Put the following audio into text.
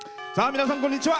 皆さん、こんにちは。